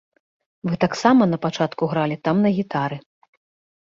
Вы таксама напачатку гралі там на гітары.